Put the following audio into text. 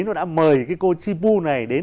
nó đã mời cái cô chi vu này đến